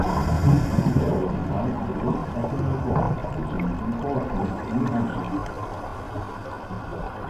Dale was assigned to the Coast Artillery Corps stationed in Portsmouth, New Hampshire.